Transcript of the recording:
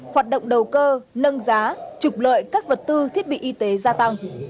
hoạt động đầu cơ nâng giá trục lợi các vật tư thiết bị y tế gia tăng